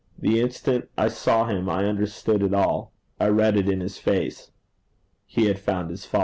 The instant I saw him I understood it all. I read it in his face: he had found his father.